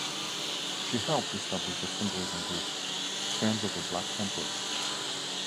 She helped establish the fundraising group "Friends of the Black Panthers".